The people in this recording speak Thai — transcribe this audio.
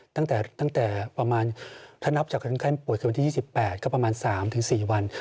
ตั้งแต่ประมาณถ้านับจากคนไข้ป่วยคือวันที่๒๘ก็ประมาณ๓๔วัน